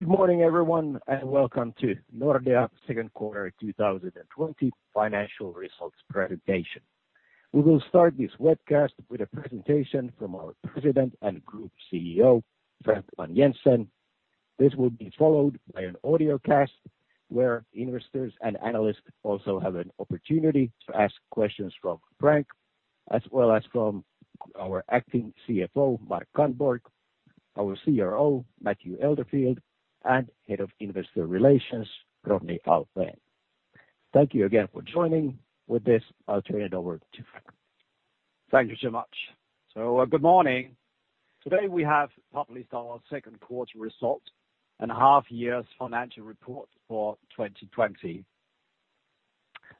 Good morning, everyone. Welcome to Nordea second quarter 2020 financial results presentation. We will start this webcast with a presentation from our President and Group CEO, Frank Vang-Jensen. This will be followed by an audio cast, where investors and analysts also have an opportunity to ask questions from Frank, as well as from our Acting CFO, Mark Kandborg, our CRO, Matthew Elderfield, and Head of Investor Relations, Rodney Alfvén. Thank you again for joining. With this, I'll turn it over to Frank. Thank you so much. Good morning. Today, we have published our second quarter result and half year's financial report for 2020.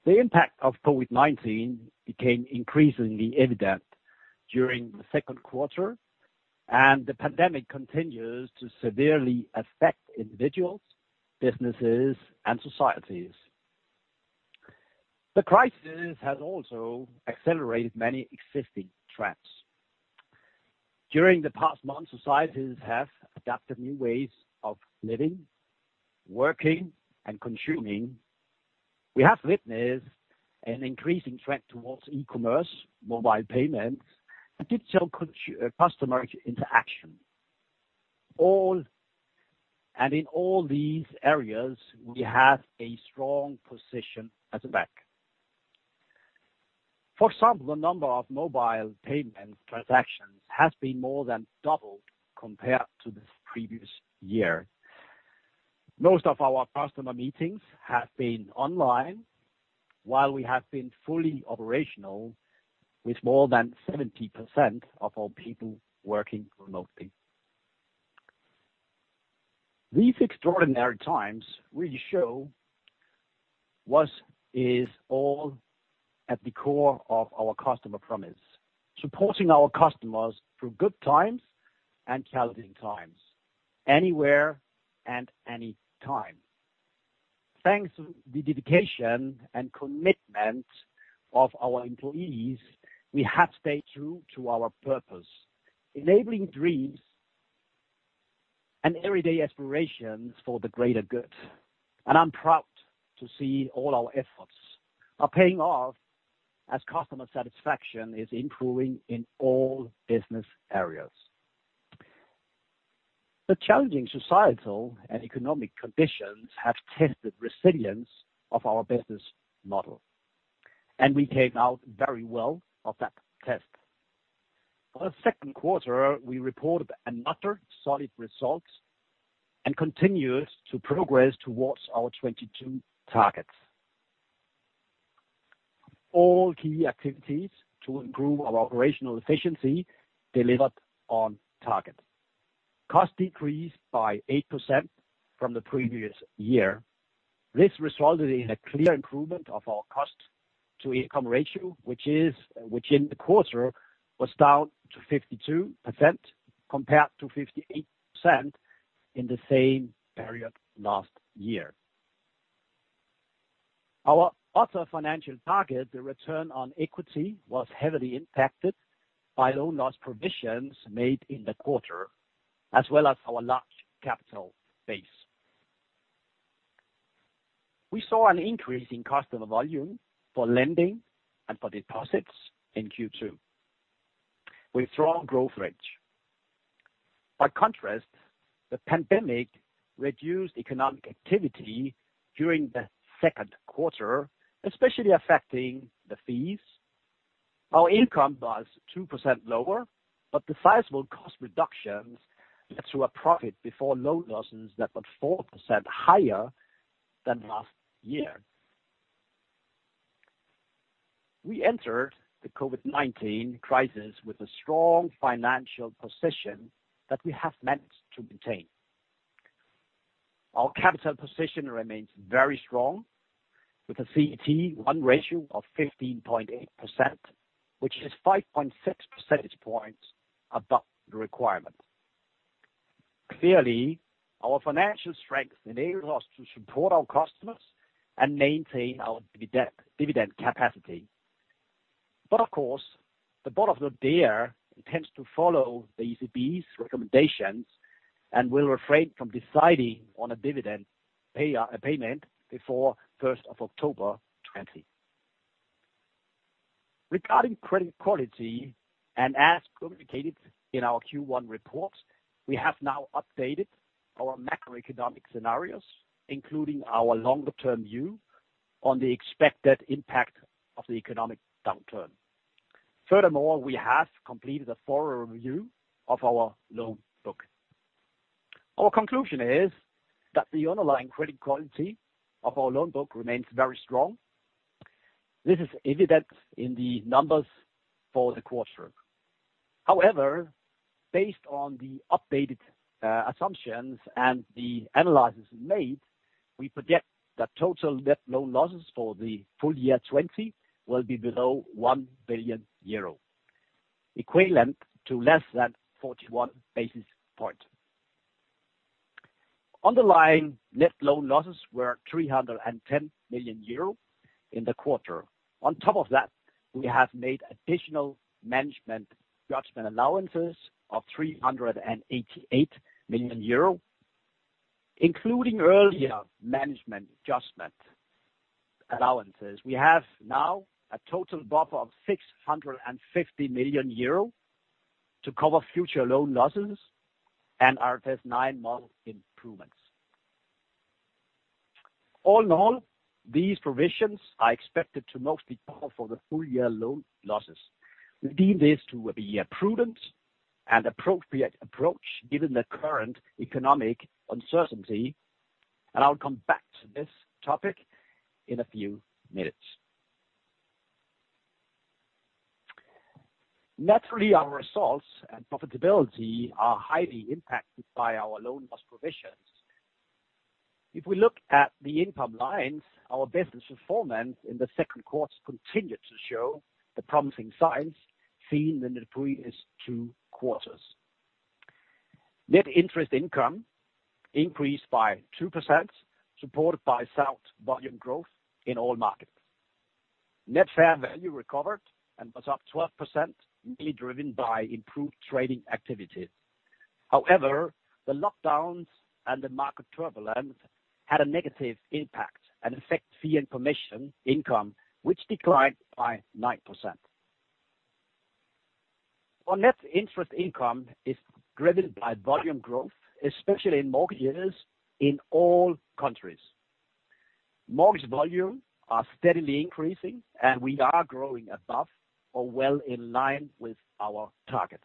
The impact of COVID-19 became increasingly evident during the second quarter, and the pandemic continues to severely affect individuals, businesses, and societies. The crisis has also accelerated many existing trends. During the past months, societies have adapted new ways of living, working, and consuming. We have witnessed an increasing trend towards e-commerce, mobile payments, and digital customer interaction. In all these areas, we have a strong position as a bank. For example, the number of mobile payment transactions has been more than doubled compared to this previous year. Most of our customer meetings have been online, while we have been fully operational with more than 70% of our people working remotely. These extraordinary times really show what is all at the core of our customer promise, supporting our customers through good times and challenging times, anywhere and any time. Thanks to the dedication and commitment of our employees, we have stayed true to our purpose, enabling dreams and everyday aspirations for the greater good. I'm proud to see all our efforts are paying off as customer satisfaction is improving in all business areas. The challenging societal and economic conditions have tested resilience of our business model, and we came out very well of that test. For the second quarter, we reported another solid result and continues to progress towards our 2022 targets. All key activities to improve our operational efficiency delivered on target. Cost decreased by 8% from the previous year. This resulted in a clear improvement of our cost to income ratio, which in the quarter was down to 52% compared to 58% in the same period last year. Our other financial target, the return on equity, was heavily impacted by loan loss provisions made in the quarter, as well as our large capital base. We saw an increase in customer volume for lending and for deposits in Q2, with strong growth rates. The pandemic reduced economic activity during the second quarter, especially affecting the fees. Our income was 2% lower, but decisive cost reductions led to a profit before loan losses that were 4% higher than last year. We entered the COVID-19 crisis with a strong financial position that we have meant to maintain. Our capital position remains very strong with a CET1 ratio of 15.8%, which is 5.6 percentage points above the requirement. Clearly, our financial strength enables us to support our customers and maintain our dividend capacity. Of course, the board of Nordea intends to follow the ECB's recommendations and will refrain from deciding on a dividend payment before 1st of October 2020. Regarding credit quality, and as communicated in our Q1 report, we have now updated our macroeconomic scenarios, including our longer-term view on the expected impact of the economic downturn. Furthermore, we have completed a thorough review of our loan book. Our conclusion is that the underlying credit quality of our loan book remains very strong. This is evident in the numbers for the quarter. Based on the updated assumptions and the analysis made, we project that total net loan losses for the full year 2020 will be below 1 billion euro, equivalent to less than 41 basis point. Underlying net loan losses were 310 million euro in the quarter. On top of that, we have made additional management judgment allowances of 388 million euro. Including earlier management adjustment allowances, we have now a total buffer of 650 million euro to cover future loan losses and our IFRS 9 model improvements. All in all, these provisions are expected to mostly cover for the full year loan losses. We deem this to be a prudent and appropriate approach given the current economic uncertainty, and I'll come back to this topic in a few minutes. Naturally, our results and profitability are highly impacted by our loan loss provisions. If we look at the income lines, our business performance in the second quarter continued to show the promising signs seen in the previous two quarters. Net interest income increased by 2%, supported by sound volume growth in all markets. Net fair value recovered and was up 12%, mainly driven by improved trading activity. The lockdowns and the market turbulence had a negative impact and affected fee and commission income, which declined by 9%. Our net interest income is driven by volume growth, especially in mortgage users in all countries. Mortgage volume are steadily increasing, and we are growing above or well in line with our target.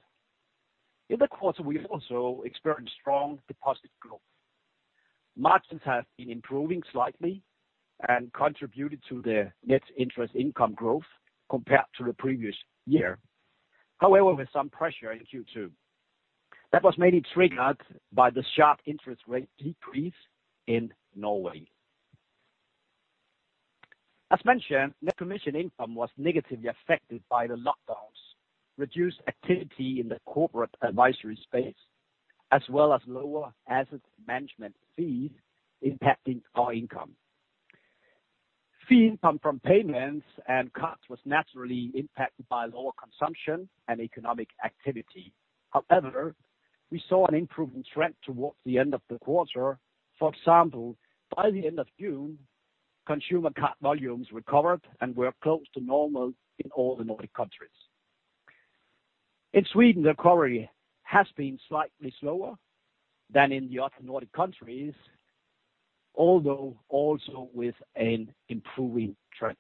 In the quarter, we've also experienced strong deposit growth. Margins have been improving slightly and contributed to the net interest income growth compared to the previous year, with some pressure in Q2. That was mainly triggered by the sharp interest rate decrease in Norway. As mentioned, net commission income was negatively affected by the lockdowns, reduced activity in the corporate advisory space, as well as lower asset management fees impacting our income. Fee income from payments and cards was naturally impacted by lower consumption and economic activity. We saw an improving trend towards the end of the quarter. By the end of June, consumer card volumes recovered and were close to normal in all the Nordic countries. In Sweden, recovery has been slightly slower than in the other Nordic countries, although also with an improving trend.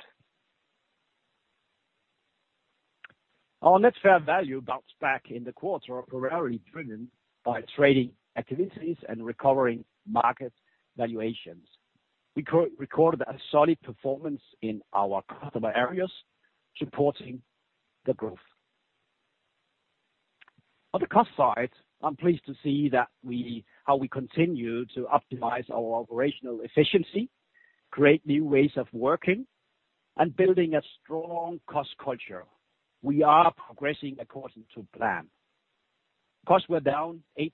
Our net fair value bounced back in the quarter, primarily driven by trading activities and recovering market valuations. We recorded a solid performance in our customer areas, supporting the growth. On the cost side, I'm pleased to see how we continue to optimize our operational efficiency, create new ways of working, and building a strong cost culture. We are progressing according to plan. Costs were down 8%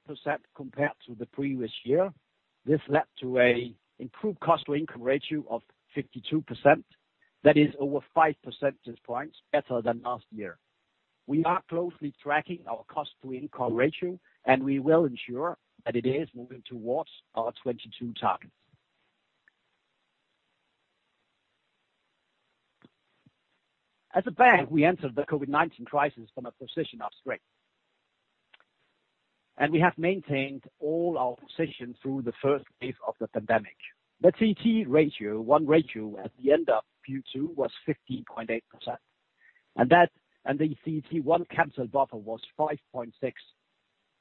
compared to the previous year. This led to an improved cost-to-income ratio of 52%. That is over five percentage points better than last year. We are closely tracking our cost-to-income ratio, and we will ensure that it is moving towards our 2022 target. As a bank, we entered the COVID-19 crisis from a position of strength. We have maintained all our position through the first phase of the pandemic. The CET1 ratio at the end of Q2 was 15.8%. The CET1 capital buffer was 5.6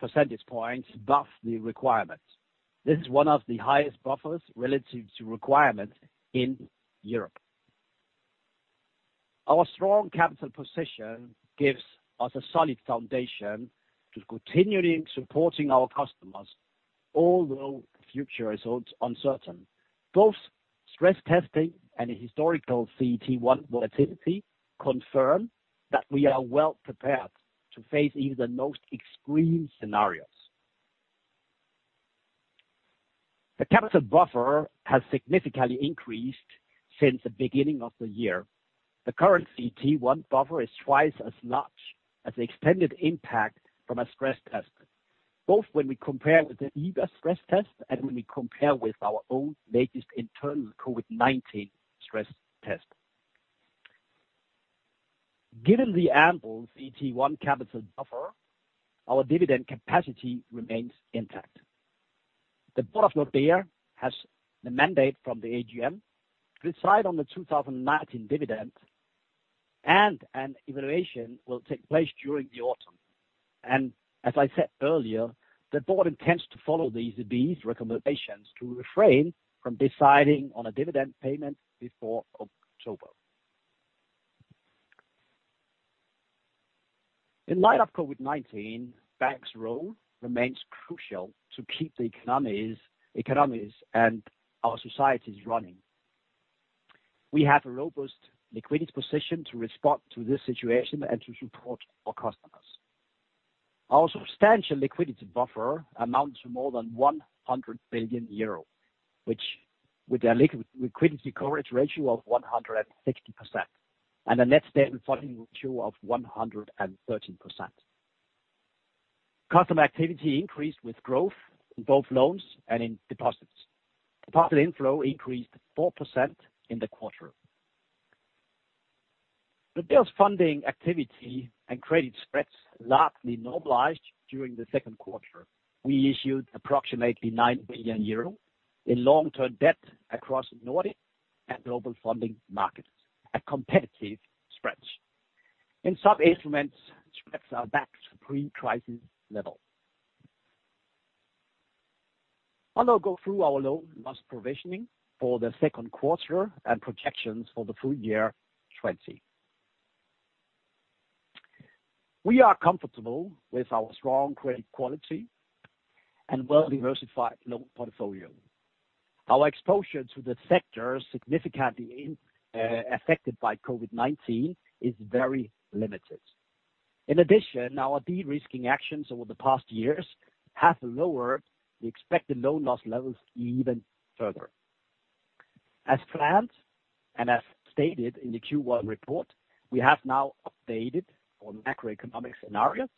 percentage points above the requirement. This is one of the highest buffers relative to requirement in Europe. Our strong capital position gives us a solid foundation to continuing supporting our customers, although the future is uncertain. Both stress testing and historical CET1 volatility confirm that we are well prepared to face even the most extreme scenarios. The capital buffer has significantly increased since the beginning of the year. The current CET1 buffer is twice as much as the extended impact from a stress test, both when we compare with the EBA stress test and when we compare with our own latest internal COVID-19 stress test. Given the ample CET1 capital buffer, our dividend capacity remains intact. The Board of Nordea has the mandate from the AGM to decide on the 2019 dividend, an evaluation will take place during the autumn. As I said earlier, the board intends to follow the ECB's recommendations to refrain from deciding on a dividend payment before October. In light of COVID-19, banks' role remains crucial to keep the economies and our societies running. We have a robust liquidity position to respond to this situation and to support our customers. Our substantial liquidity buffer amounts to more than 100 billion euro, with a liquidity coverage ratio of 160% and a net stable funding ratio of 113%. Customer activity increased with growth in both loans and in deposits. Deposit inflow increased 4% in the quarter. The group's funding activity and credit spreads largely normalized during the second quarter. We issued approximately 9 billion euro in long-term debt across Nordic and global funding markets at competitive spreads. In some instruments, spreads are back to pre-crisis levels. I'll now go through our loan loss provisioning for the second quarter and projections for the full year 2020. We are comfortable with our strong credit quality and well-diversified loan portfolio. Our exposure to the sectors significantly affected by COVID-19 is very limited. In addition, our de-risking actions over the past years have lowered the expected loan loss levels even further. As planned, and as stated in the Q1 report, we have now updated our macroeconomic scenarios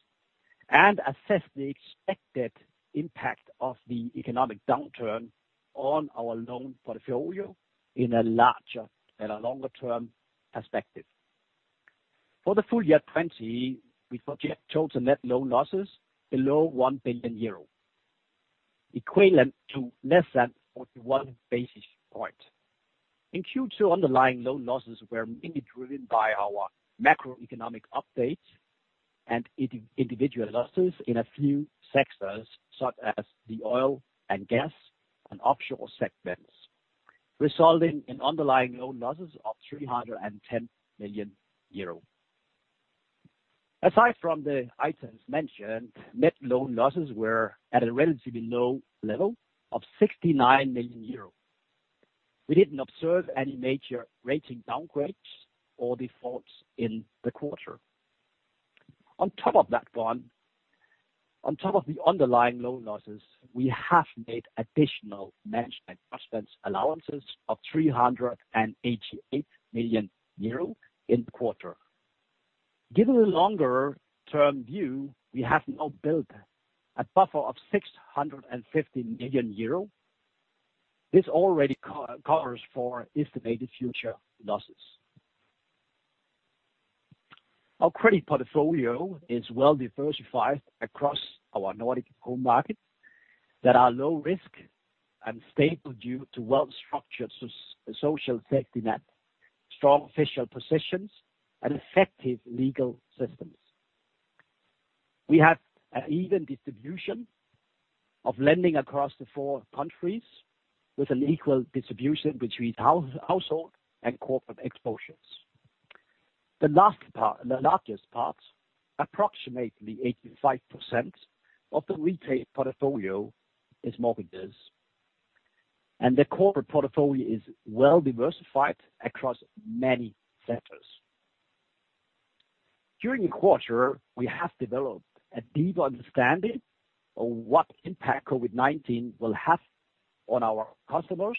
and assessed the expected impact of the economic downturn on our loan portfolio in a larger and a longer-term perspective. For the full year 2020, we project total net loan losses below 1 billion euro, equivalent to less than 41 basis points. In Q2, underlying loan losses were mainly driven by our macroeconomic updates and individual losses in a few sectors, such as the oil and gas and offshore segments, resulting in underlying loan losses of 310 million euro. Aside from the items mentioned, net loan losses were at a relatively low level of 69 million euros. We didn't observe any major rating downgrades or defaults in the quarter. On top of the underlying loan losses, we have made additional management judgment allowances of €388 million in the quarter. Given the longer-term view, we have now built a buffer of €650 million. This already covers for estimated future losses. Our credit portfolio is well-diversified across our Nordic home markets that are low risk and stable due to well-structured social safety net, strong official positions, and effective legal systems. We have an even distribution of lending across the four countries, with an equal distribution between household and corporate exposures. The largest part, approximately 85% of the retail portfolio is mortgages, and the corporate portfolio is well-diversified across many sectors. During the quarter, we have developed a deeper understanding of what impact COVID-19 will have on our customers,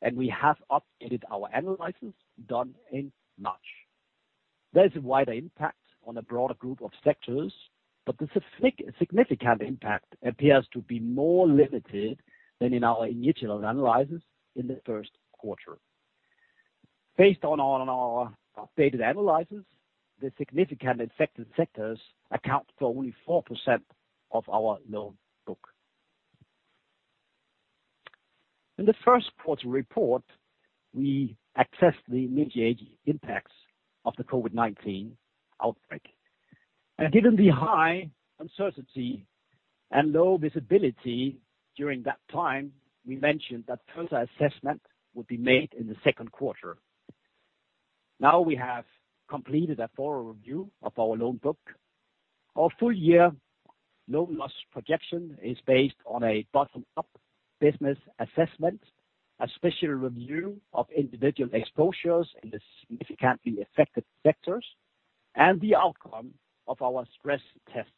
and we have updated our analysis done in March. There is a wider impact on a broader group of sectors, but the significant impact appears to be more limited than in our initial analysis in the first quarter. Based on our updated analysis, the significantly affected sectors account for only 4% of our loan book. In the first quarter report, we assessed the immediate impacts of the COVID-19 outbreak. Given the high uncertainty and low visibility during that time, we mentioned that further assessment would be made in the second quarter. Now we have completed a thorough review of our loan book. Our full-year loan loss projection is based on a bottom-up business assessment, a special review of individual exposures in the significantly affected sectors, and the outcome of our stress tests.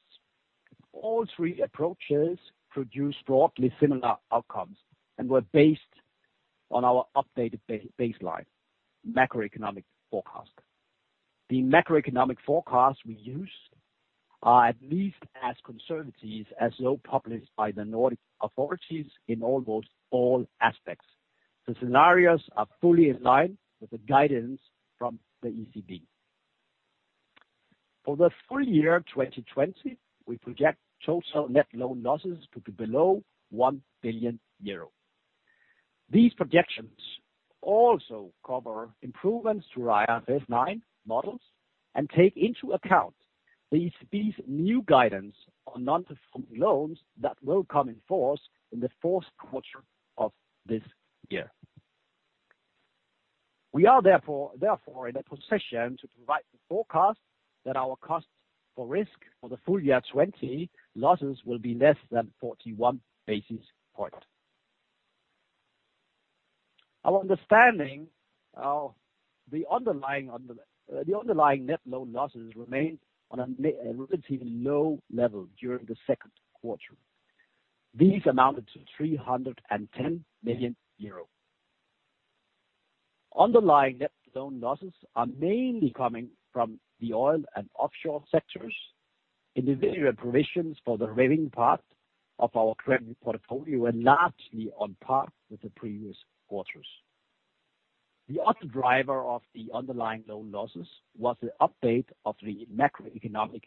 All three approaches produced broadly similar outcomes and were based on our updated baseline macroeconomic forecast. The macroeconomic forecasts we use are at least as conservative as those published by the Nordic authorities in almost all aspects. The scenarios are fully in line with the guidance from the ECB. For the full year 2020, we project total net loan losses to be below 1 billion euro. These projections also cover improvements to our IFRS 9 models and take into account the ECB's new guidance on non-performing loans that will come in force in the fourth quarter of this year. We are therefore in a position to provide the forecast that our costs for risk for the full year 2020 losses will be less than 41 basis points. Our understanding of the underlying net loan losses remained on a relatively low level during the second quarter. These amounted to 310 million euro. Underlying net loan losses are mainly coming from the oil and offshore sectors. Individual provisions for the railing part of our credit portfolio were largely on par with the previous quarters. The other driver of the underlying loan losses was the update of the macroeconomic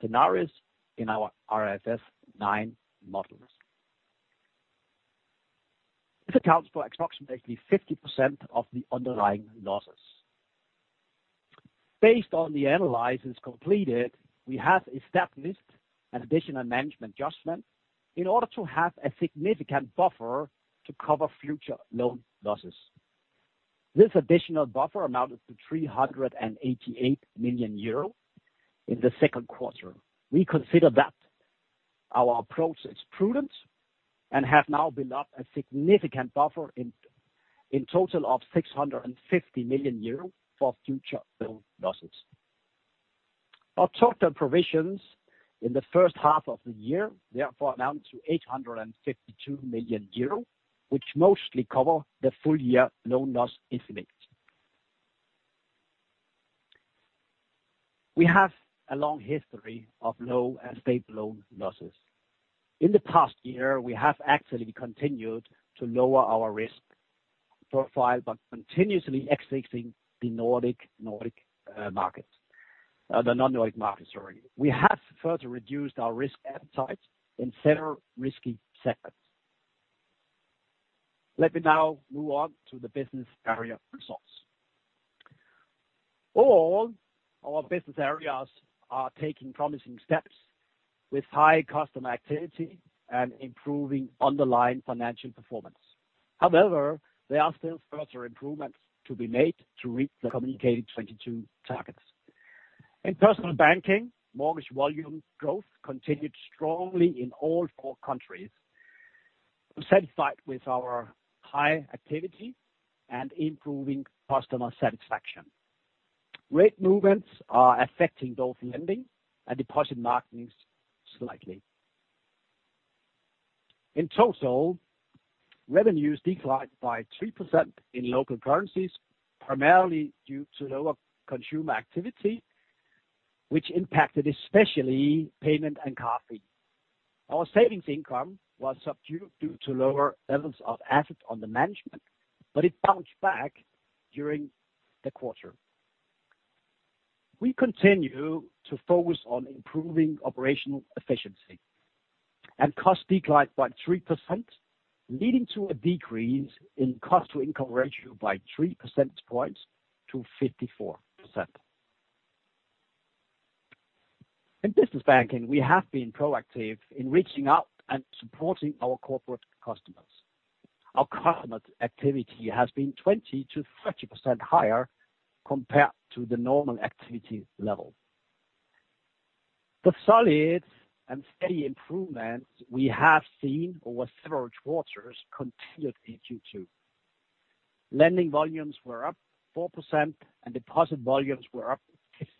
scenarios in our IFRS 9 models. This accounts for approximately 50% of the underlying losses. Based on the analysis completed, we have established an additional management adjustment in order to have a significant buffer to cover future loan losses. This additional buffer amounted to 388 million euro in the second quarter. We consider that our approach is prudent and have now built up a significant buffer in total of 650 million euro for future loan losses. Our total provisions in the first half of the year, therefore, amount to 852 million euro, which mostly cover the full year loan loss estimate. We have a long history of low and stable loan losses. In the past year, we have actually continued to lower our risk profile by continuously exiting the non-Nordic markets. We have further reduced our risk appetite in several risky sectors. Let me now move on to the business area results. All our business areas are taking promising steps with high customer activity and improving underlying financial performance. However, there are still further improvements to be made to reach the communicated 2022 targets. In Personal Banking, mortgage volume growth continued strongly in all four countries. We're satisfied with our high activity and improving customer satisfaction. Rate movements are affecting both lending and deposit markets slightly. In total, revenues declined by 3% in local currencies, primarily due to lower consumer activity, which impacted especially payment and card fee. Our savings income was subdued due to lower levels of assets under management, but it bounced back during the quarter. We continue to focus on improving operational efficiency, costs declined by 3%, leading to a decrease in cost-to-income ratio by 3 percentage points to 54%. In business banking, we have been proactive in reaching out and supporting our corporate customers. Our customer activity has been 20%-30% higher compared to the normal activity level. The solid and steady improvements we have seen over several quarters continued in Q2. Lending volumes were up 4% and deposit volumes were up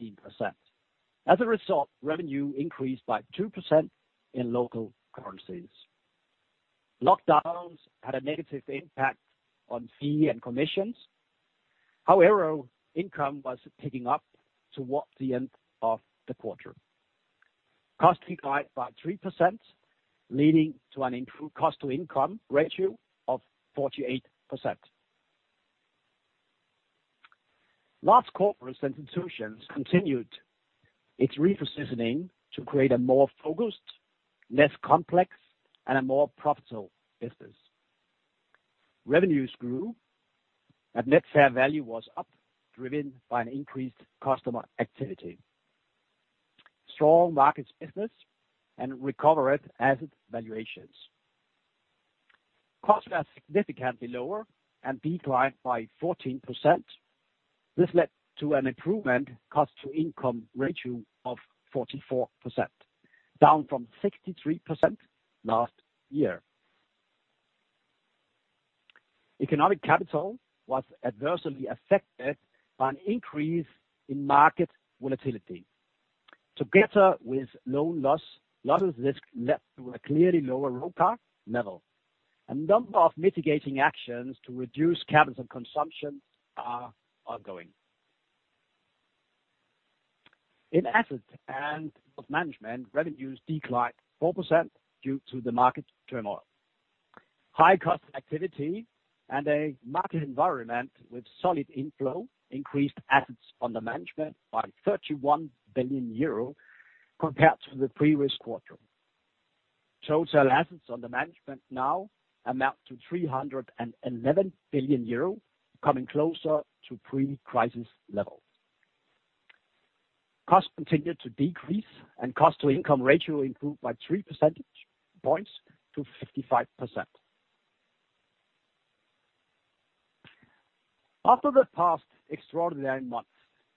15%. As a result, revenue increased by 2% in local currencies. Lockdowns had a negative impact on fee and commissions. However, income was picking up towards the end of the quarter. Costs declined by 3%, leading to an improved cost-to-income ratio of 48%. Large Corporates & Institutions continued its repositioning to create a more focused, less complex, and a more profitable business. Revenues grew, net fair value was up, driven by an increased customer activity, strong markets business, and recovered asset valuations. Costs were significantly lower and declined by 14%. This led to an improvement cost-to-income ratio of 44%, down from 63% last year. Economic capital was adversely affected by an increase in market volatility. Together with loan losses risk led to a clearly lower RORAC level. A number of mitigating actions to reduce capital consumption are ongoing. In assets and management, revenues declined 4% due to the market turmoil. High customer activity and a market environment with solid inflow increased assets under management by 31 billion euro compared to the previous quarter. Total assets under management now amount to 311 billion euro, coming closer to pre-crisis levels. Costs continued to decrease, and cost to income ratio improved by 3 percentage points to 55%. After the past extraordinary months,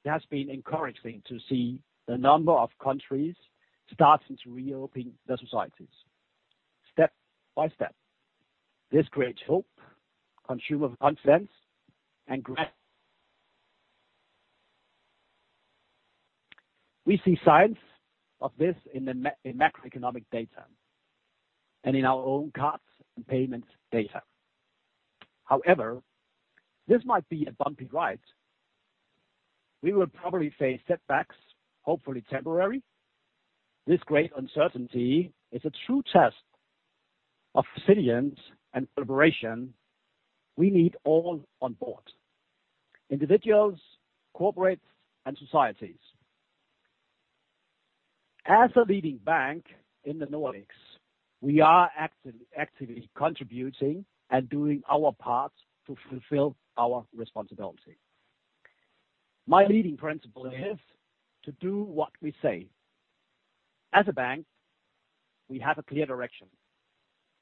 it has been encouraging to see the number of countries starting to reopen their societies step by step. This creates hope, consumer confidence, and growth. We see signs of this in the macroeconomic data and in our own cards and payments data. However, this might be a bumpy ride. We will probably face setbacks, hopefully temporary. This great uncertainty is a true test of resilience and collaboration. We need all on board, individuals, corporates, and societies. As a leading bank in the Nordics, we are actively contributing and doing our part to fulfill our responsibility. My leading principle is to do what we say. As a bank, we have a clear direction.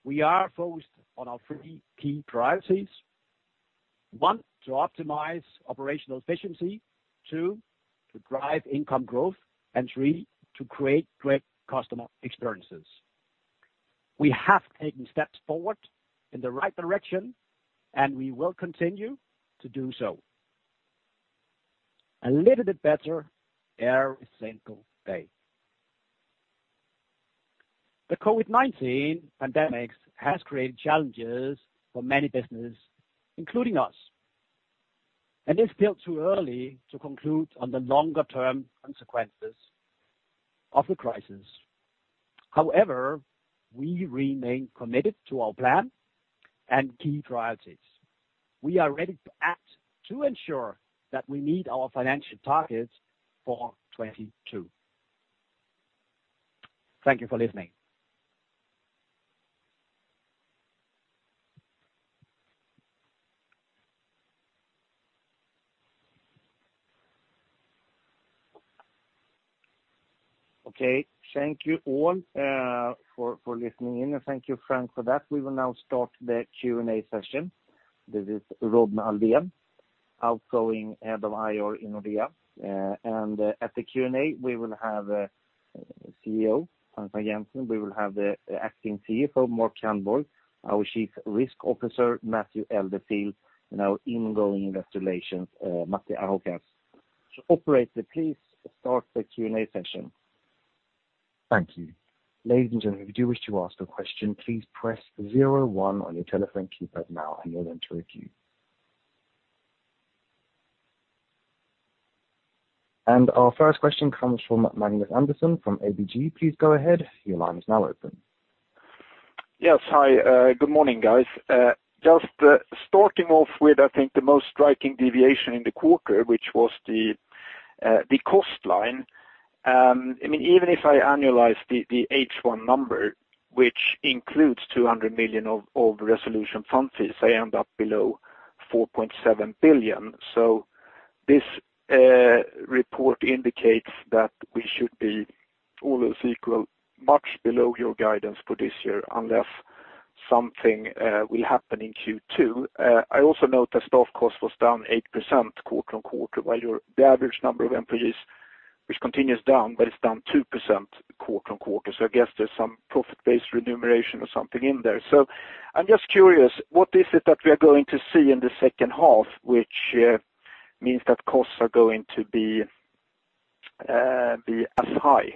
We are focused on our three key priorities. One, to optimize operational efficiency, two, to drive income growth, and three, to create great customer experiences. We have taken steps forward in the right direction, and we will continue to do so, a little bit better every single day. The COVID-19 pandemic has created challenges for many businesses, including us, and it's still too early to conclude on the longer-term consequences of the crisis. We remain committed to our plan and key priorities. We are ready to act to ensure that we meet our financial targets for 2022. Thank you for listening. Okay. Thank you all for listening in, and thank you, Frank, for that. We will now start the Q&A session. This is Rodney Alfvén, outgoing head of IR in Nordea. At the Q&A, we will have CEO, Frank Vang-Jensen, we will have the acting CFO, Mark Kandborg, our Chief Risk Officer, Matthew Elderfield, and our incoming Investor Relations, Matti Ahokas. Operator, please start the Q&A session. Thank you. Ladies and gentlemen, if you do wish to ask a question, please press 01 on your telephone keypad now, and you'll enter a queue. Our first question comes from Magnus Andersson from ABG. Please go ahead. Your line is now open. Yes. Hi. Good morning, guys. Just starting off with, I think, the most striking deviation in the quarter, which was the cost line. Even if I annualize the H1 number, which includes 200 million of resolution fund fees, I end up below 4.7 billion. This report indicates that we should be all else equal much below your guidance for this year unless something will happen in Q2. I also note that staff cost was down 8% quarter-on-quarter, while the average number of employees, which continues down, but it's down 2% quarter-on-quarter. I guess there's some profit-based remuneration or something in there. I'm just curious, what is it that we are going to see in the second half, which means that costs are going to be as high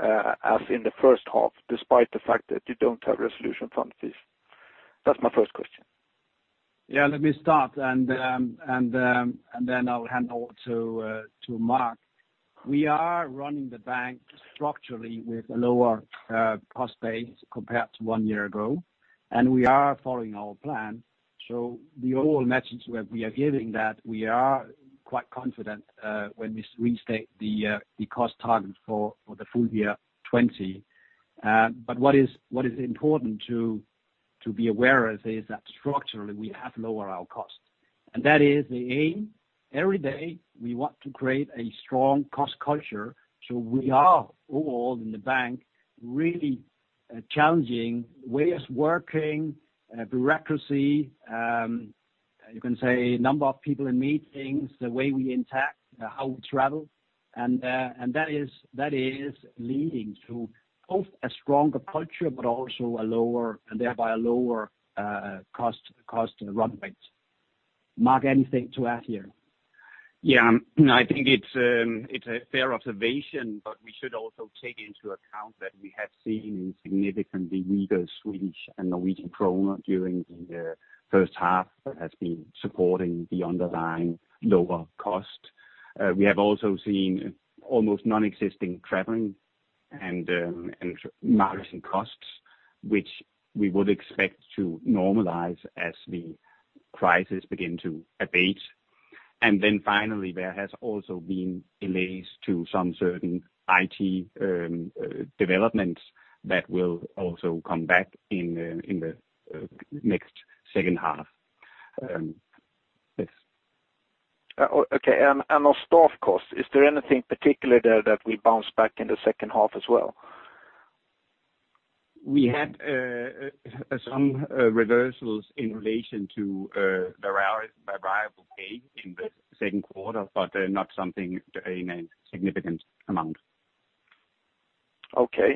as in the first half, despite the fact that you don't have resolution fund fees? That's my first question. Yeah, let me start, and then I'll hand over to Mark. We are running the bank structurally with a lower cost base compared to one year ago, and we are following our plan. The overall message we are giving that we are quite confident when we restate the cost target for the full year 2020. What is important to be aware of is that structurally we have lowered our costs. That is the aim. Every day, we want to create a strong cost culture. We are overall in the bank really challenging ways of working, bureaucracy, you can say number of people in meetings, the way we interact, how we travel. That is leading to both a stronger culture, but also thereby a lower cost run rate. Mark, anything to add here? Yeah. No, I think it's a fair observation, but we should also take into account that we have seen a significantly weaker Swedish and Norwegian kroner during the first half that has been supporting the underlying lower cost. We have also seen almost non-existing traveling and marketing costs, which we would expect to normalize as the crisis begin to abate. Then finally, there has also been delays to some certain IT developments that will also come back in the next second half. Yes. Okay. On staff costs, is there anything particular there that will bounce back in the second half as well? We had some reversals in relation to the variable pay in the second quarter, but not something in a significant amount. Okay.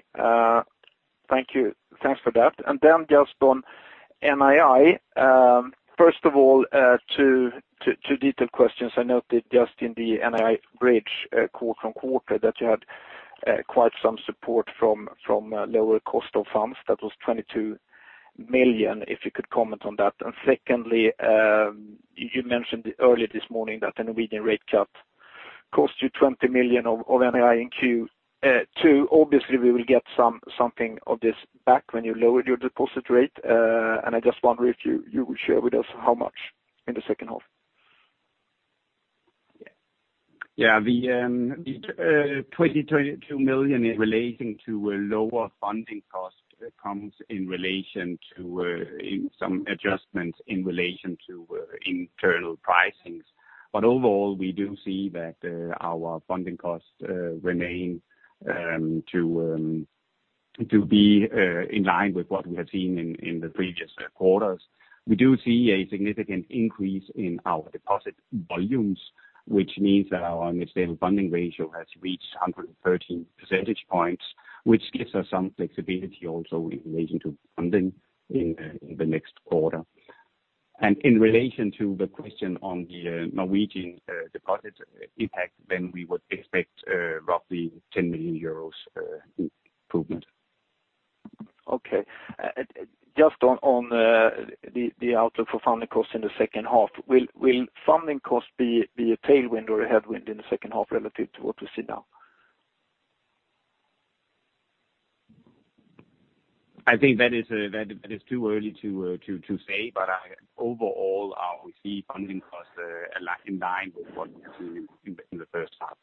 Thank you. Thanks for that. Then just on NII. First of all, two detailed questions. I noted just in the NII bridge [call from quarter] that you had quite some support from lower cost of funds. That was 22 million, if you could comment on that. Secondly, you mentioned earlier this morning that the Norwegian rate cut cost you 20 million of NII in Q2. Obviously, we will get something of this back when you lowered your deposit rate. I just wonder if you will share with us how much in the second half. The 22 million relating to a lower funding cost comes in some adjustments in relation to internal pricings. Overall, we do see that our funding costs remain to be in line with what we have seen in the previous quarters. We do see a significant increase in our deposit volumes, which means that our net stable funding ratio has reached 113 percentage points, which gives us some flexibility also in relation to funding in the next quarter. In relation to the question on the Norwegian deposit impact, we would expect roughly 10 million euros improvement. Okay. Just on the outlook for funding costs in the second half, will funding costs be a tailwind or a headwind in the second half relative to what we see now? I think that is too early to say. Overall, we see funding costs are in line with what we have seen in the first half.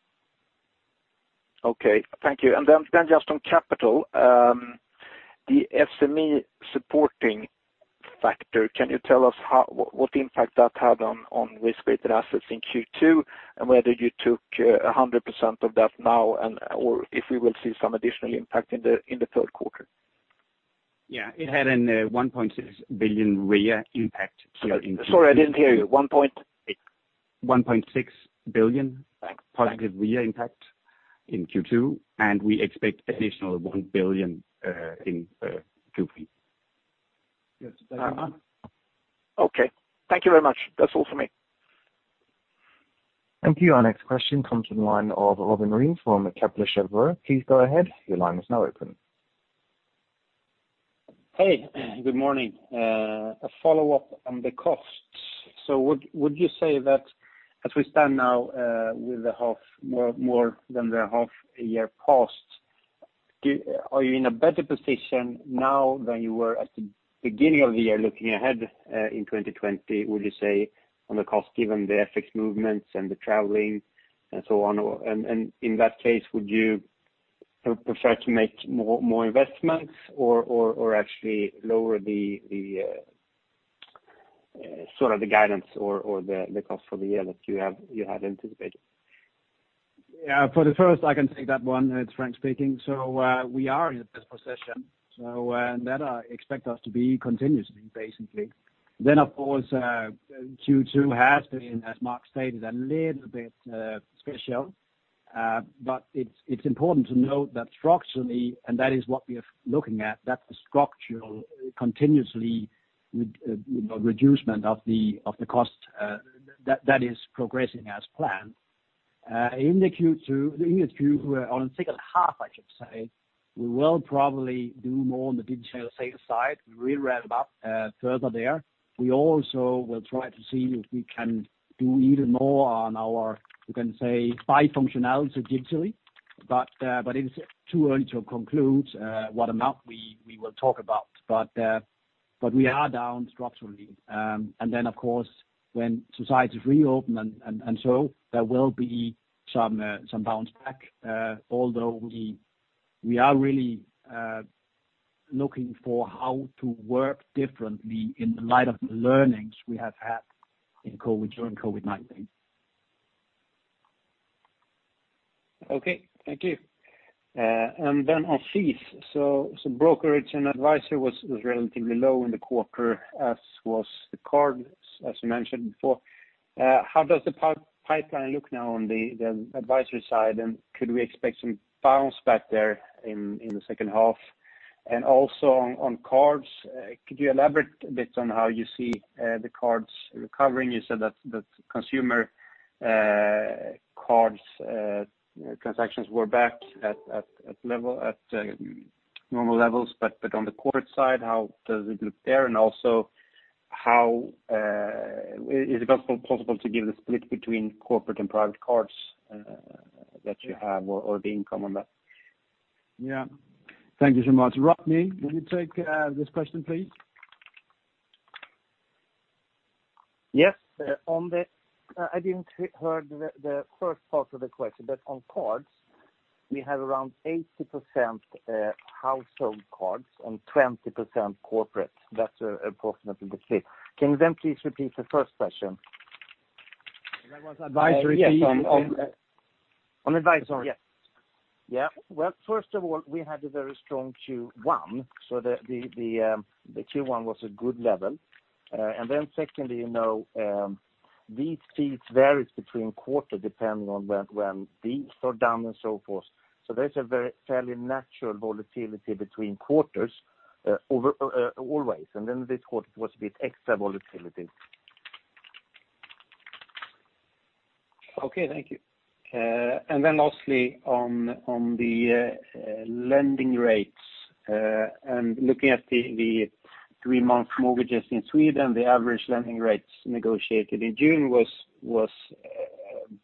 Okay. Thank you. Just on capital, the SME supporting factor, can you tell us what impact that had on risk-weighted assets in Q2, and whether you took 100% of that now, or if we will see some additional impact in the third quarter? Yeah, it had a 1.6 billion RWA impact here in. Sorry, I didn't hear you. One point 1.6 billion positive RWA impact in Q2, and we expect additional 1 billion in Q3. Okay. Thank you very much. That's all for me. Thank you. Our next question comes from the line of Robin Maule from Kepler Cheuvreux. Please go ahead. Your line is now open. Hey. Good morning. A follow-up on the costs. Would you say that as we stand now with more than the half a year passed, are you in a better position now than you were at the beginning of the year looking ahead in 2020, would you say, on the cost given the OpEx movements and the traveling, and so on? In that case, would you prefer to make more investments or actually lower the guidance or the cost for the year that you had anticipated? Yeah. For the first, I can take that one. It's Frank speaking. We are in the best position. That I expect us to be continuously, basically. Of course, Q2 has been, as Mark stated, a little bit special. It's important to note that structurally, and that is what we are looking at, that the structural continuously with the reduction of the cost that is progressing as planned. In the Q2, on the second half, I should say, we will probably do more on the digital sales side. We ramp up further there. We also will try to see if we can do even more on our, you can say, buy functionality digitally. It is too early to conclude what amount we will talk about. We are down structurally. Of course, when societies reopen and so, there will be some bounce back. We are really looking for how to work differently in light of the learnings we have had during COVID-19. Okay. Thank you. Then on fees, brokerage and advisory was relatively low in the quarter, as was the cards, as you mentioned before. How does the pipeline look now on the advisory side, and could we expect some bounce back there in the second half? Also on cards, could you elaborate a bit on how you see the cards recovering? You said that consumer cards transactions were back at normal levels, but on the corporate side, how does it look there? Also, is it possible to give the split between corporate and private cards that you have or the income on that? Yeah. Thank you so much. Rodney, will you take this question, please? Yes. I didn't hear the first part of the question, but on cards, we have around 80% household cards and 20% corporate. That's approximately the split. Can you please repeat the first question? That was advisory fee. Yes. On advisory, yes. Yeah. Well, first of all, we had a very strong Q1, so the Q1 was a good level. Secondly, these fees varied between quarters depending on when these are down and so forth. There's a very fairly natural volatility between quarters always, and then this quarter was a bit extra volatility. Okay. Thank you. Lastly, on the lending rates, looking at the three-month mortgages in Sweden, the average lending rates negotiated in June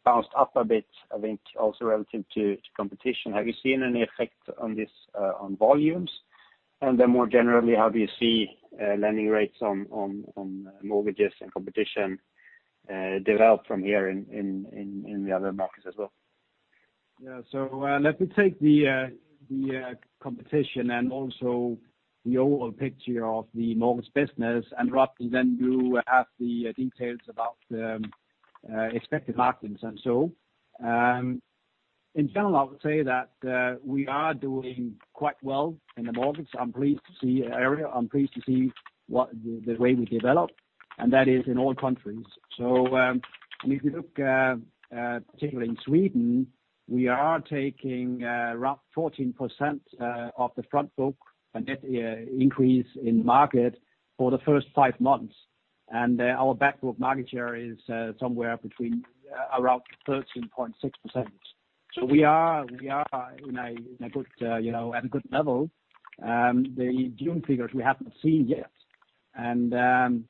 bounced up a bit, I think, also relative to competition. Have you seen any effect on volumes? More generally, how do you see lending rates on mortgages and competition develop from here in the other markets as well? Yeah. Let me take the competition and also the overall picture of the mortgage business, and Rodney then do have the details about the expected margins and so. In general, I would say that we are doing quite well in the mortgage area. I'm pleased to see the way we develop, and that is in all countries. If you look particularly in Sweden, we are taking around 14% of the front book, a net increase in market for the first five months. Our back book market share is somewhere between around 13.6%. We are at a good level. The June figures we haven't seen yet. In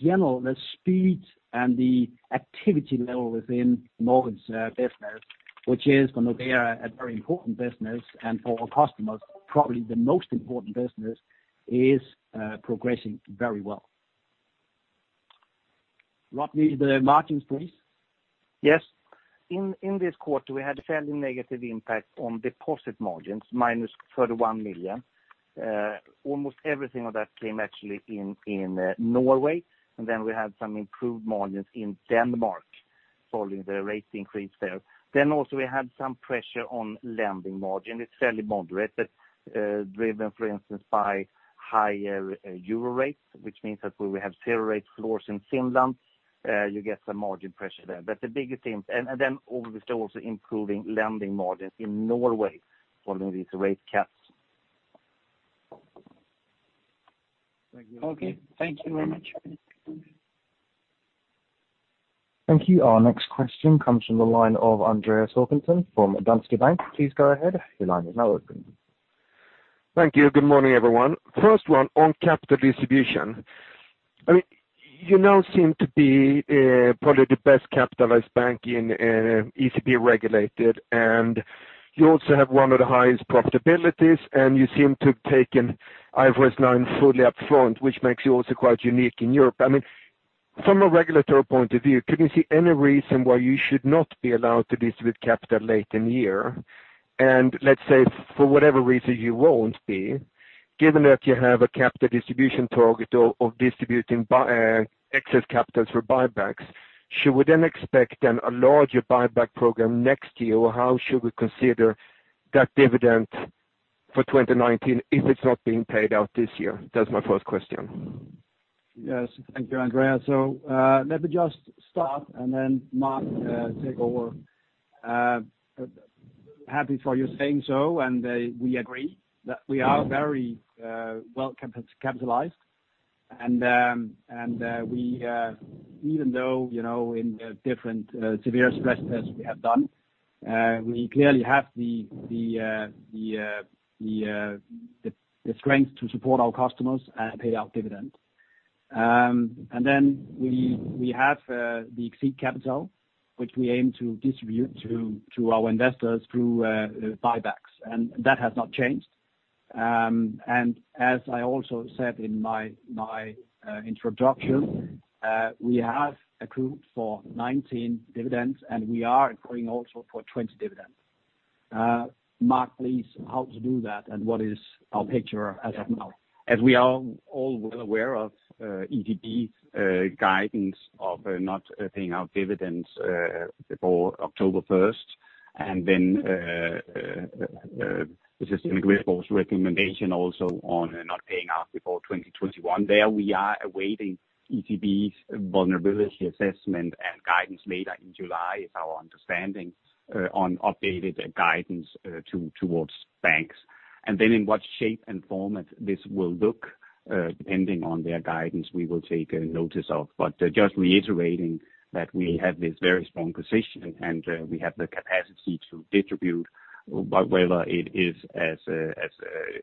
general, the speed and the activity level within mortgage business, which is a very important business, and for our customers, probably the most important business, is progressing very well. Rodney, the margins, please. Yes. In this quarter, we had a fairly negative impact on deposit margins, minus 31 million. Almost everything of that came actually in Norway. Then we had some improved margins in Denmark following the rate increase there. Also we had some pressure on lending margin. It's fairly moderate, driven, for instance, by higher euro rates, which means that we will have zero rate floors in Finland. You get some margin pressure there. Obviously also improving lending margins in Norway following these rate cuts. Thank you. Okay. Thank you very much. Thank you. Our next question comes from the line of Andreas Håkansson from Danske Bank. Please go ahead. Your line is now open. Thank you. Good morning, everyone. First one, on capital distribution. You now seem to be probably the best capitalized bank in ECB-regulated, you also have one of the highest profitabilities, you seem to have taken IFRS 9 fully upfront, which makes you also quite unique in Europe. From a regulatory point of view, could you see any reason why you should not be allowed to distribute capital late in the year? Let's say, for whatever reason you won't be, given that you have a capital distribution target of distributing excess capital for buybacks, should we then expect a larger buyback program next year, or how should we consider that dividend for 2019 if it's not being paid out this year? That's my first question. Yes. Thank you, Andreas. Let me just start and then Mark take over. Happy for you saying so, and we agree that we are very well capitalized. Even though in the different severe stress tests we have done, we clearly have the strength to support our customers and pay out dividends. Then we have the exceed capital, which we aim to distribute to our investors through buybacks. That has not changed. As I also said in my introduction, we have accrued for 2019 dividends, and we are accruing also for 2020 dividends. Mark, please, how to do that, and what is our picture as of now? As we are all well aware of ECB's guidance of not paying out dividends before October 1st, and then the Systemic Risk Board's recommendation also on not paying out before 2021. There we are awaiting ECB's vulnerability assessment and guidance later in July, is our understanding, on updated guidance towards banks. In what shape and format this will look, depending on their guidance, we will take a notice of. Just reiterating that we have this very strong position, and we have the capacity to distribute, whether it is as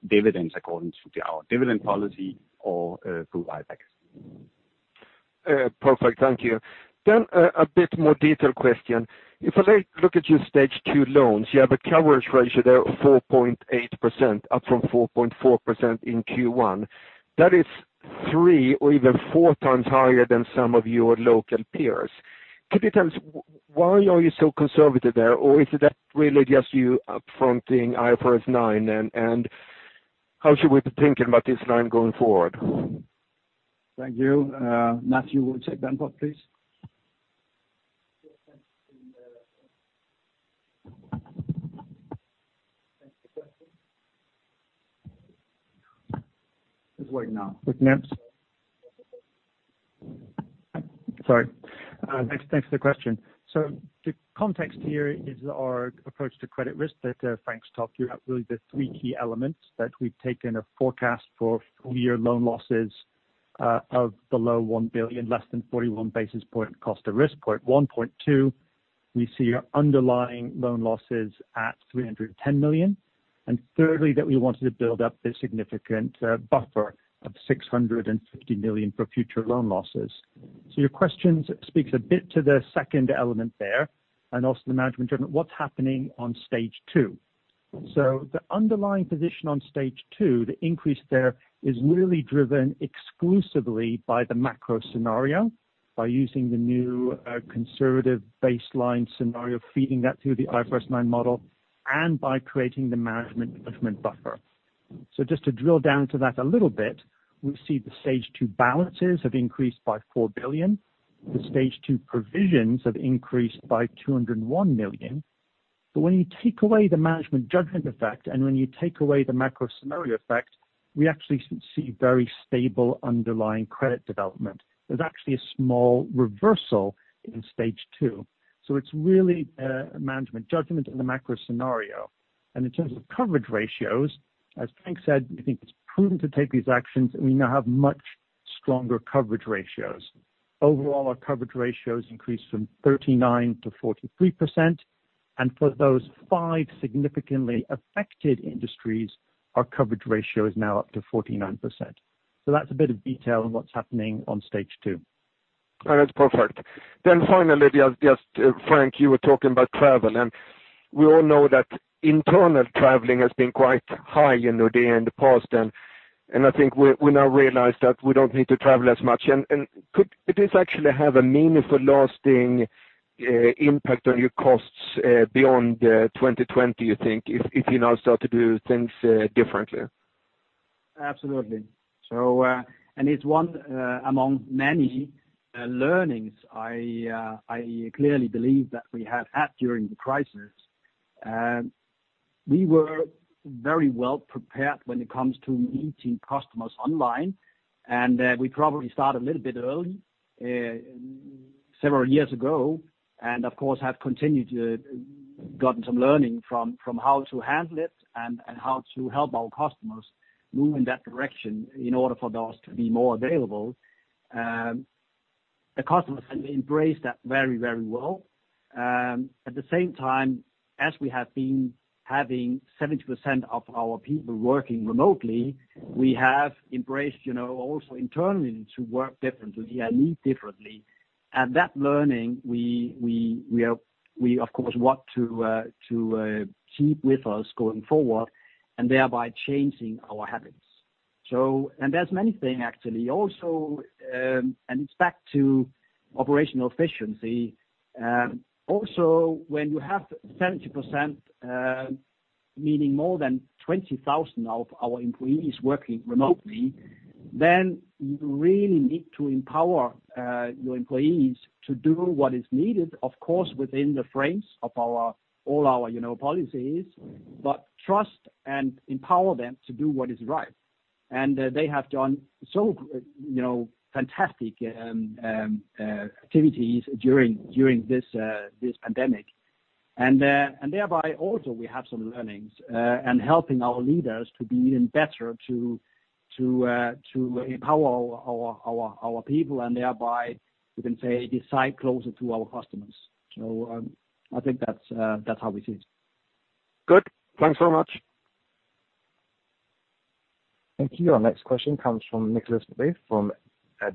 dividends according to our dividend policy or through buybacks. Perfect. Thank you. A bit more detailed question. If I look at your stage 2 loans, you have a coverage ratio there of 4.8%, up from 4.4% in Q1. That is three or even four times higher than some of your local peers. Could you tell us why are you so conservative there, or is that really just you up-fronting IFRS 9 and how should we be thinking about this line going forward? Thank you. Matthew, would you take that one, please? Thanks for the question. He's waiting now. Sorry. Thanks for the question. The context here is our approach to credit risk that Frank's talked through. Really the three key elements that we've taken a forecast for full-year loan losses of below 1 billion, less than 41 basis points cost of risk. Point 1. Point 2, we see our underlying loan losses at 310 million. Thirdly, that we wanted to build up a significant buffer of 650 million for future loan losses. Your question speaks a bit to the second element there, and also the management judgment. What's happening on stage 2? The underlying position on stage 2, the increase there is really driven exclusively by the macro scenario, by using the new conservative baseline scenario, feeding that through the IFRS 9 model, and by creating the management judgment buffer. Just to drill down to that a little bit, we see the stage 2 balances have increased by 4 billion. The stage 2 provisions have increased by 201 million. When you take away the management judgment effect, and when you take away the macro scenario effect, we actually see very stable underlying credit development. There's actually a small reversal in stage 2. It's really management judgment in the macro scenario. In terms of coverage ratios, as Frank said, we think it's prudent to take these actions, and we now have much stronger coverage ratios. Overall, our coverage ratios increased from 39% to 43%, and for those five significantly affected industries, our coverage ratio is now up to 49%. That's a bit of detail on what's happening on stage 2. That's perfect. Finally, just Frank, you were talking about travel, and we all know that internal traveling has been quite high during the past, and I think we now realize that we don't need to travel as much. Could this actually have a meaningful lasting impact on your costs beyond 2020, you think, if you now start to do things differently? Absolutely. It's one among many thing learnings I clearly believe that we have had during the crisis. We were very well prepared when it comes to meeting customers online, and we probably start a little bit early, several years ago, and of course, have continued to gotten some learning from how to handle it, and how to help our customers move in that direction in order for those to be more available. The customers have embraced that very, very well. At the same time, as we have been having 70% of our people working remotely, we have embraced also internally to work differently, yeah, lead differently. That learning we, of course, want to keep with us going forward, and thereby changing our habits. There's many thing actually, and it's back to operational efficiency. Also, when you have 70%, meaning more than 20,000 of our employees working remotely, then you really need to empower your employees to do what is needed, of course, within the frames of all our policies, but trust and empower them to do what is right. They have done so fantastic activities during this pandemic. Thereby also we have some learnings, and helping our leaders to be even better to empower our people and thereby you can say decide closer to our customers. I think that's how we see it. Good. Thanks so much. Thank you. Our next question comes from Nicolas McBeath from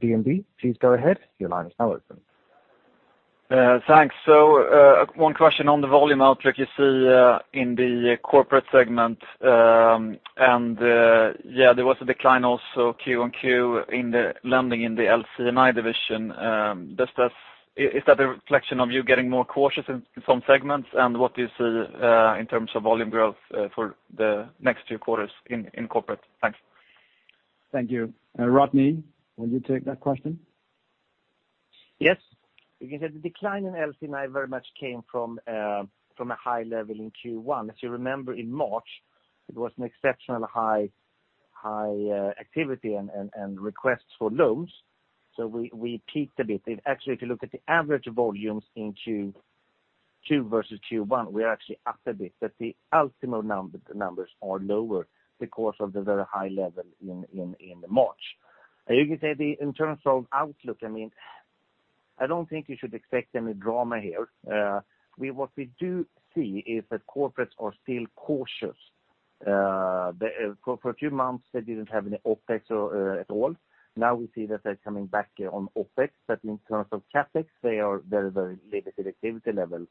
DNB. Please go ahead. Your line is now open. Thanks. One question on the volume outlook you see in the corporate segment. There was a decline also Q on Q in the lending in the LC&I division. Is that a reflection of you getting more cautious in some segments, and what do you see in terms of volume growth for the next two quarters in corporate? Thanks. Thank you. Rodney, would you take that question? Yes. You can say the decline in LC&I very much came from a high level in Q1. If you remember in March, it was an exceptional high activity and requests for loans. We peaked a bit. Actually, if you look at the average volumes in Q2 versus Q1, we are actually up a bit, but the ultimate numbers are lower because of the very high level in March. You can say in terms of outlook, I don't think you should expect any drama here. What we do see is that corporates are still cautious. For a few months, they didn't have any OpEx at all. Now we see that they're coming back on OpEx, but in terms of CapEx, they are very, very limited activity level.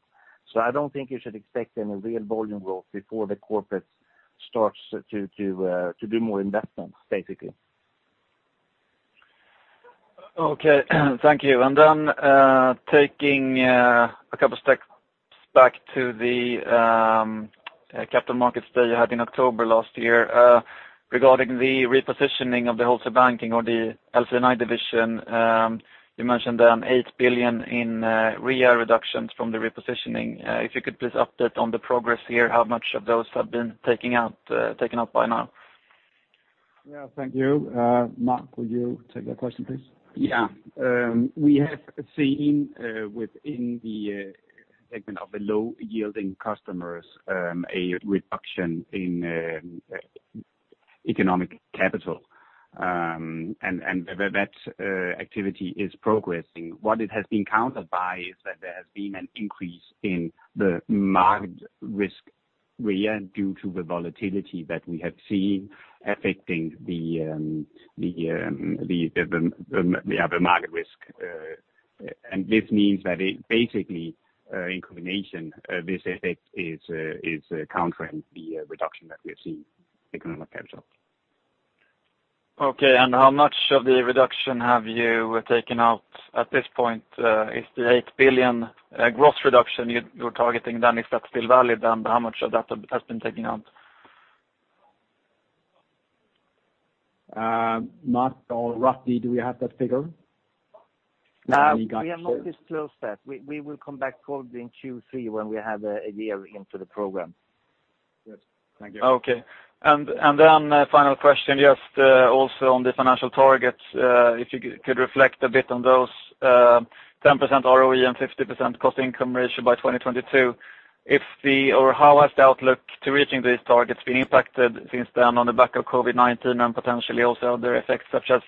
I don't think you should expect any real volume growth before the corporate starts to do more investments, basically. Okay. Thank you. Taking a couple steps back to the capital markets day you had in October last year, regarding the repositioning of the wholesale banking or the LC&I division. You mentioned then 8 billion in RWA reductions from the repositioning. If you could please update on the progress here, how much of those have been taken up by now? Yeah. Thank you. Mark, would you take that question, please? We have seen within the segment of the low-yielding customers a reduction in economic capital, and that activity is progressing. What it has been countered by is that there has been an increase in the market risk RWA due to the volatility that we have seen affecting the other market risk. This means that it basically, in combination, this effect is countering the reduction that we are seeing in economic capital. How much of the reduction have you taken out at this point? Is the 8 billion gross reduction you're targeting then, is that still valid? How much of that has been taken out? Mark or Rodney, do we have that figure? We have not disclosed that. We will come back probably in Q3 when we have a year into the program. Good. Thank you. Okay. Then final question, just also on the financial targets, if you could reflect a bit on those 10% ROE and 50% cost-income ratio by 2022. How has the outlook to reaching these targets been impacted since then on the back of COVID-19 and potentially also other effects such as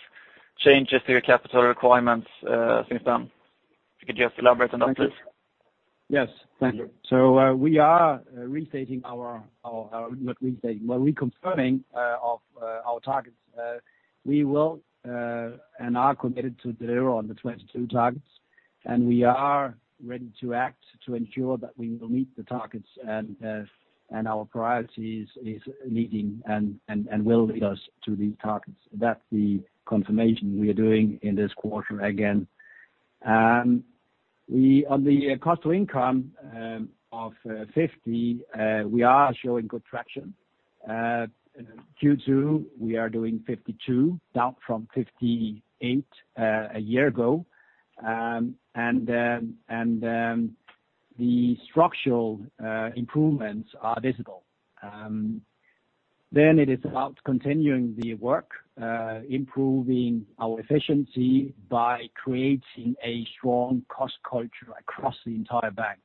changes to your capital requirements since then? If you could just elaborate on that, please. Yes. Thank you. We are reconfirming of our targets. We will and are committed to deliver on the 2022 targets, and we are ready to act to ensure that we will meet the targets, and our priority is leading and will lead us to the targets. That's the confirmation we are doing in this quarter again. On the cost to income of 50%, we are showing good traction. Q2, we are doing 52%, down from 58% a year ago, and the structural improvements are visible. It is about continuing the work, improving our efficiency by creating a strong cost culture across the entire bank.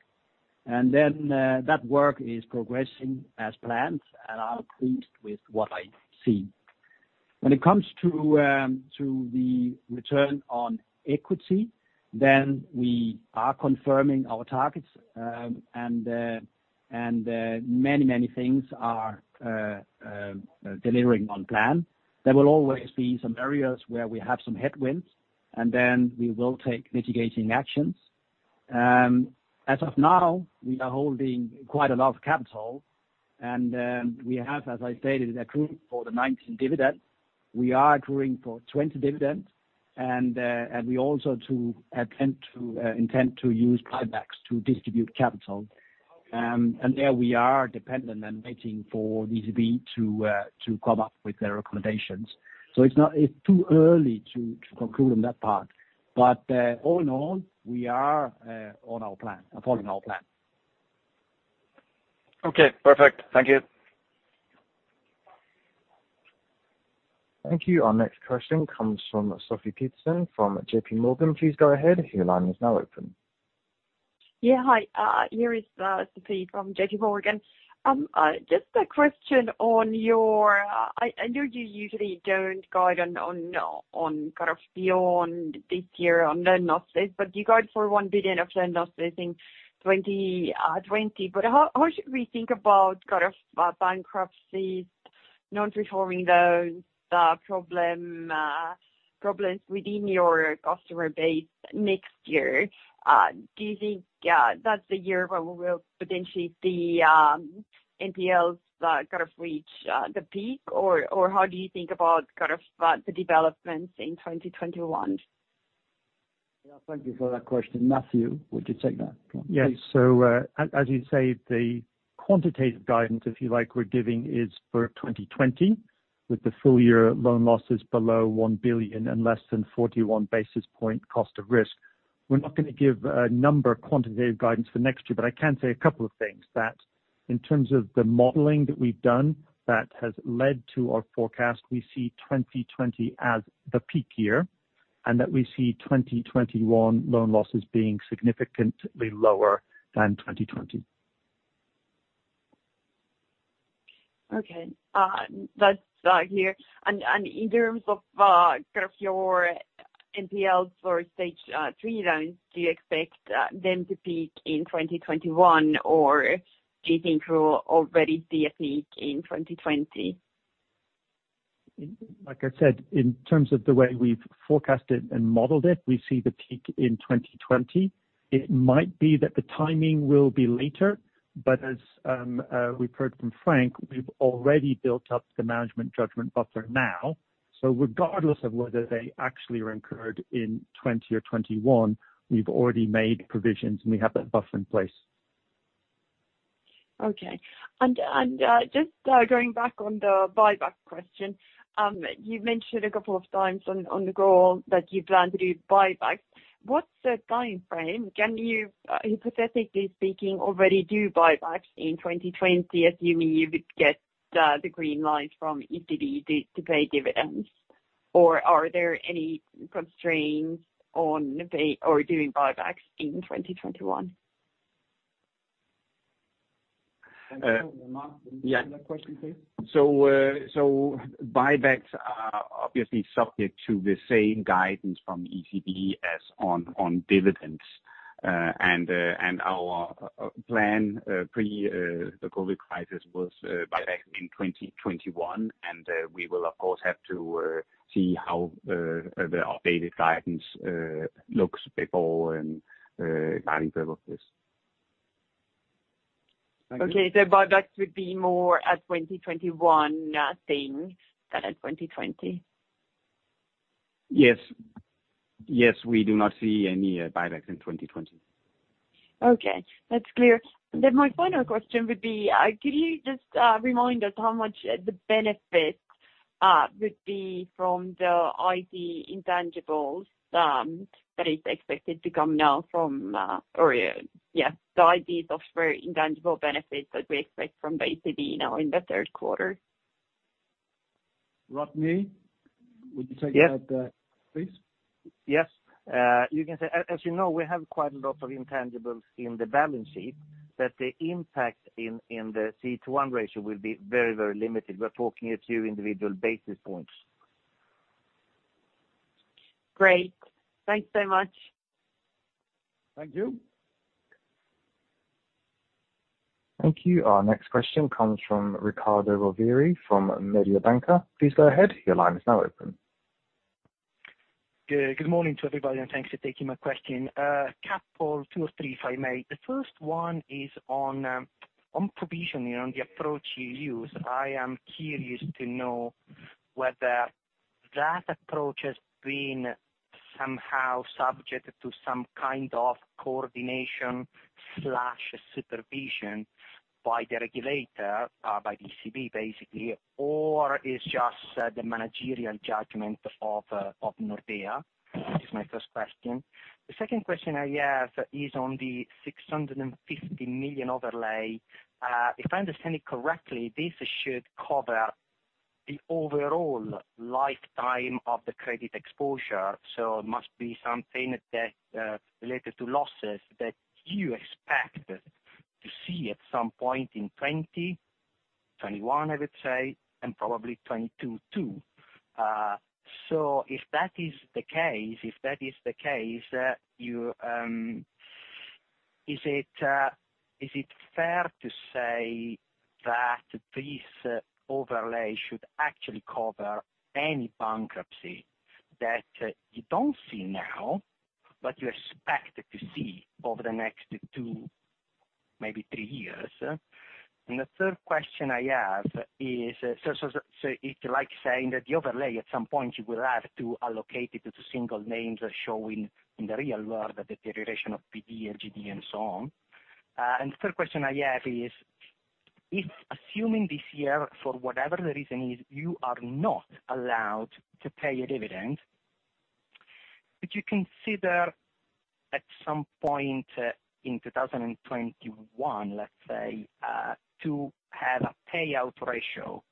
That work is progressing as planned, and I'm pleased with what I see. When it comes to the return on equity, then we are confirming our targets, and many things are delivering on plan. There will always be some areas where we have some headwinds. We will take mitigating actions. As of now, we are holding quite a lot of capital. We have, as I stated, accrued for the 2019 dividend. We are accruing for 2020 dividend. We also intend to use buybacks to distribute capital. There we are dependent on waiting for ECB to come up with their recommendations. It's too early to conclude on that part. All in all, we are on our plan, following our plan. Okay, perfect. Thank you. Thank you. Our next question comes from Sofie Peterzens from J.P. Morgan. Please go ahead. Your line is now open. Yeah. Hi, here is Sofie from J.P. Morgan. Just a question on your-- I know you usually don't guide on kind of beyond this year on loan losses, but you guide for 1 billion of loan losses in 2020. How should we think about kind of bankruptcies, non-performing loans problems within your customer base next year? Do you think that's the year where we will potentially the NPLs kind of reach the peak, or how do you think about kind of the developments in 2021? Yeah. Thank you for that question. Matthew, would you take that one? Yes. As you say, the quantitative guidance, if you like, we're giving is for 2020 with the full year loan losses below 1 billion and less than 41 basis point cost of risk. We're not going to give a number quantitative guidance for next year. I can say a couple of things. In terms of the modeling that we've done that has led to our forecast, we see 2020 as the peak year, and that we see 2021 loan losses being significantly lower than 2020. Okay. That's clear. In terms of kind of your NPLs for Stage 3 loans, do you expect them to peak in 2021, or do you think we're already see a peak in 2020? Like I said, in terms of the way we've forecasted and modeled it, we see the peak in 2020. It might be that the timing will be later, but as we've heard from Frank, we've already built up the management judgment buffer now. Regardless of whether they actually are incurred in 2020 or 2021, we've already made provisions, and we have that buffer in place. Okay. Just going back on the buyback question. You've mentioned a couple of times on the goal that you plan to do buybacks. What's the timeframe? Can you, hypothetically speaking, already do buybacks in 2020, assuming you would get the green light from ECB to pay dividends? Are there any constraints on pay or doing buybacks in 2021? Mark, can you take that question, please? Buybacks are obviously subject to the same guidance from ECB as on dividends. Our plan pre the COVID crisis was buyback in 2021, and we will, of course, have to see how the updated guidance looks before, and guiding level of this. Okay. Buybacks would be more a 2021 thing than a 2020. Yes. We do not see any buybacks in 2020. Okay. That's clear. My final question would be, could you just remind us how much the benefit would be from the IT intangibles that is expected to come now from Or, yeah, the IT software intangible benefits that we expect from the ECB now in the third quarter? Rodney, would you take that, please? Yes. As you know, we have quite a lot of intangibles in the balance sheet that the impact in the CET1 ratio will be very limited. We're talking a few individual basis points. Great. Thanks so much. Thank you. Thank you. Our next question comes from Riccardo Rovere from Mediobanca. Please go ahead. Your line is now open. Good morning to everybody, and thanks for taking my question. A couple, two or three, if I may. The first one is on provisioning, on the approach you use. I am curious to know whether that approach has been somehow subject to some kind of coordination/supervision by the regulator, by the ECB, basically, or is just the managerial judgment of Nordea? This is my first question. The second question I have is on the 650 million overlay. If I understand it correctly, this should cover the overall lifetime of the credit exposure, so it must be something that related to losses that you expect to see at some point in 2020, 2021, I would say, and probably 2022 too. If that is the case, is it fair to say that this overlay should actually cover any bankruptcy that you don't see now, but you expect to see over the next two, maybe three years? It's like saying that the overlay, at some point, you will have to allocate it to single names showing in the real world, the deterioration of PD and LGD and so on. The third question I have is, if assuming this year, for whatever the reason is, you are not allowed to pay a dividend, would you consider at some point in 2021, let's say, to have a payout ratio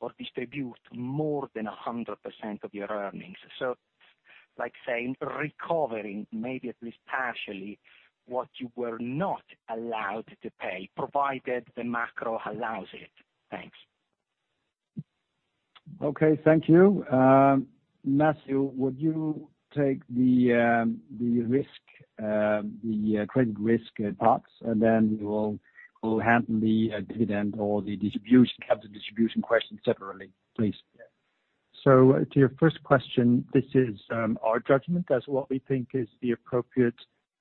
or distribute more than 100% of your earnings? Like saying, recovering, maybe at least partially, what you were not allowed to pay, provided the macro allows it. Thanks. Okay. Thank you. Matthew, would you take the credit risk parts, and then we will handle the dividend or the capital distribution question separately, please. To your first question, this is our judgment as what we think is the appropriate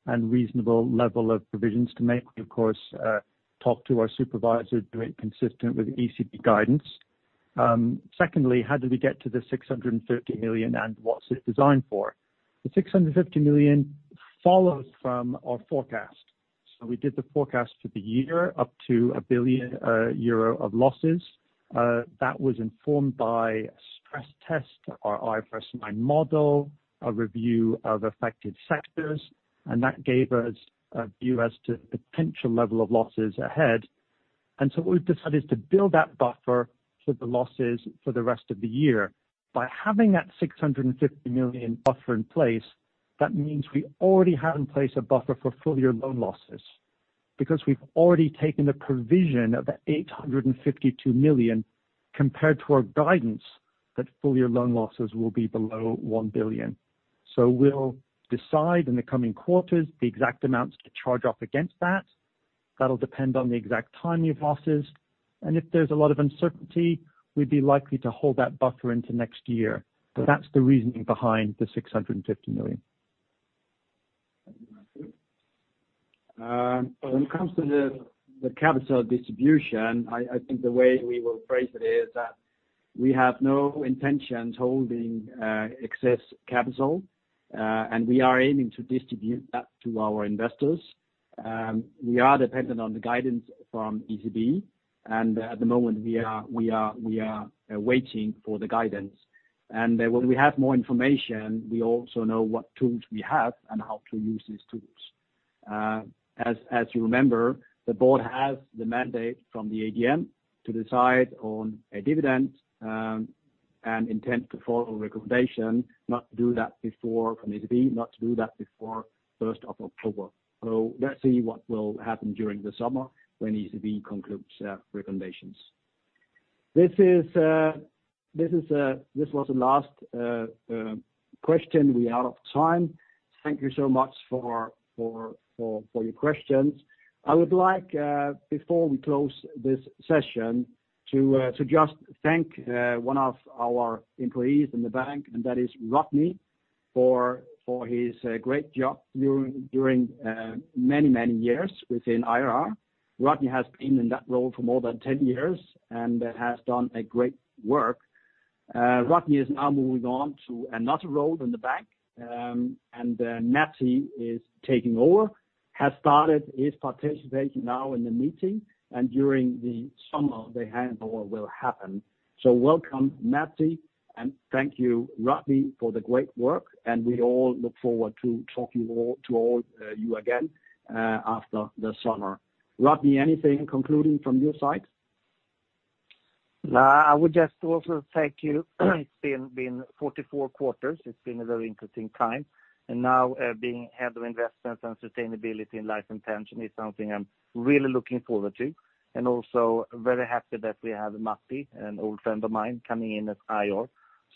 and reasonable level of provisions to make. We, of course, talk to our supervisors, do it consistent with ECB guidance. Secondly, how did we get to the 650 million, and what's it designed for? The 650 million follows from our forecast. We did the forecast for the year up to 1 billion euro of losses. That was informed by a stress test, our IFRS 9 model, a review of affected sectors, and that gave us a view as to the potential level of losses ahead. What we've decided to build that buffer for the losses for the rest of the year. By having that 650 million buffer in place, that means we already have in place a buffer for full-year loan losses, because we've already taken a provision of 852 million compared to our guidance that full-year loan losses will be below 1 billion. We'll decide in the coming quarters the exact amounts to charge off against that. That'll depend on the exact timing of losses. If there's a lot of uncertainty, we'd be likely to hold that buffer into next year. That's the reasoning behind the 650 million. Thank you, Matthew. When it comes to the capital distribution, I think the way we will phrase it is We have no intentions holding excess capital, we are aiming to distribute that to our investors. We are dependent on the guidance from ECB at the moment we are waiting for the guidance. When we have more information, we also know what tools we have and how to use these tools. As you remember, the board has the mandate from the AGM to decide on a dividend, intend to follow recommendation, not to do that before from ECB, not to do that before 1st of October. Let's see what will happen during the summer when ECB concludes their recommendations. This was the last question. We are out of time. Thank you so much for your questions. I would like, before we close this session, to just thank one of our employees in the bank, and that is Rodney, for his great job during many years within IR. Rodney has been in that role for more than 10 years and has done a great work. Rodney is now moving on to another role in the bank, and Matti is taking over, has started his participation now in the meeting and during the summer, the handover will happen. Welcome Matti, and thank you Rodney for the great work, and we all look forward to talking to all you again after the summer. Rodney, anything concluding from your side? I would just also thank you. It's been 44 quarters. It's been a very interesting time, and now being head of investments and sustainability in life and pension is something I'm really looking forward to, and also very happy that we have Matti, an old friend of mine, coming in as IR.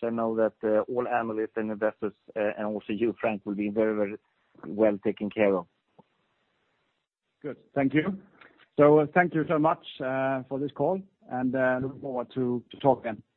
I know that all analysts and investors, and also you Frank, will be very well taken care of. Good. Thank you. Thank you so much for this call, and looking forward to talk again